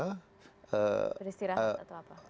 beristirahat atau apa